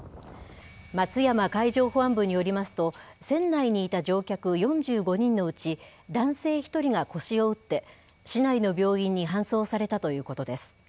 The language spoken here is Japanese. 松山海上保安部によりますと、船内にいた乗客４５人のうち、男性１人が腰を打って、市内の病院に搬送されたということです。